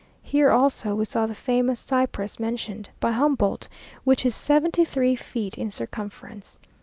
Here also we saw the famous cypress mentioned by Humboldt, which is seventy three feet in circumference.